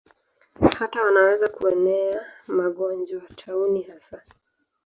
Hata wanaweza kuenea magonjwa, tauni hasa.